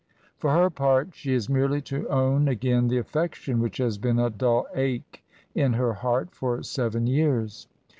For her part, she has merely to own again the affection which has been a dull ache in her heart for seven years.